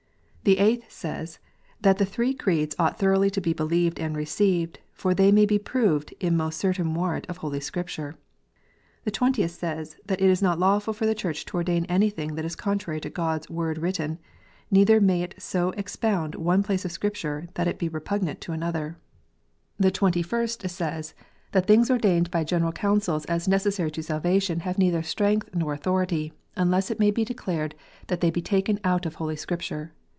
The Eighth says, that the "Three Creeds ought thoroughly to be believed and received, for they may be proved by most certain warrant of Holy Scripture." The Twentieth says, that "It is not lawful for the Church to ordain anything that is contrary to God s Word written, neither may it so expound one place of Scripture that it be repugnant to another." PRAYER BOOK STATEMENTS : REGENERATION. 145 The Twenty first says, that "things ordained by General Councils as necessary to salvation have neither strength nor authority, unless it may be declared that they be taken out of Holy Scripture."